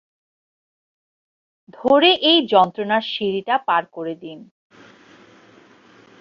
ধরে এই যন্ত্রণার সিঁড়িটা পাড় করে দিন।